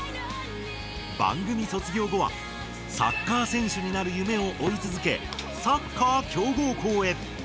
番組卒業後はサッカー選手になる夢をおいつづけサッカー強豪校へ。